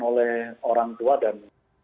oleh orang tua dan